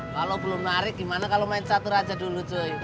kalau belum narik gimana kalau main catur aja dulu joy